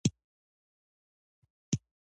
هغه عادت پرېږدئ، چي شخصت ته مو تاوان رسوي.